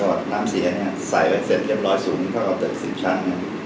น้ำสีแหละเนี่ยใส่ไว้เสร็จเรียบร้อยสูงเท่ากับเติบ๑๐ชั้น